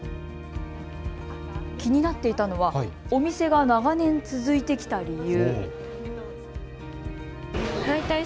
気になっていたのはお店が長年続いてきた理由。